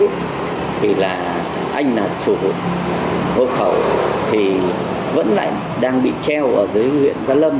thì là anh là chủ hộ khẩu thì vẫn lại đang bị treo ở dưới huyện gia lâm